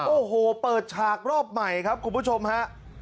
โอ้โหเปิดฉากรอบใหม่ครับคุณผู้ชมฮะ